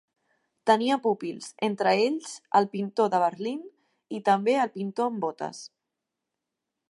Tenia pupils, entre ells el pintor de Berlín i també el pintor amb botes.